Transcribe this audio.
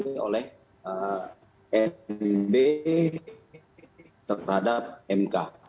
ini oleh nb terhadap mk